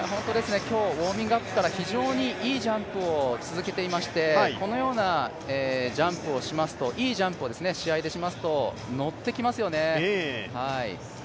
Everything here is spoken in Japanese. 今日ウオーミングアップから非常にいいジャンプを続けてましてこのようなジャンプをしますといいジャンプを試合でしますと乗ってきますよね。